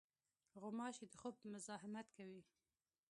غوماشې د خوب مزاحمت کوي.